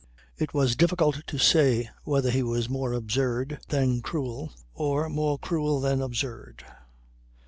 It was difficult to say whether he was more absurd than cruel or more cruel than absurd.